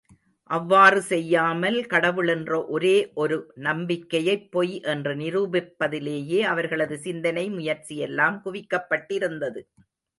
அவ்வாறு செய்யாமல் கடவுள் என்ற ஒரே ஒரு நம்பிக்கையைப் பொய் என்று நிரூபிப்பதிலேயே அவர்களது சிந்தனை முயற்சியெல்லாம் குவிக்கப்பட்டிருந்தது.